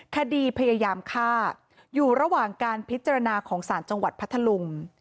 คดีพยายามฆ่าอยู่ระหว่างการพิจารณาของศาลจังหวัดพัทธลุง